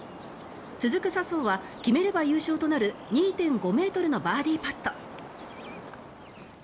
続く笹生は決めれば優勝となる２．５ｍのバーディーパット。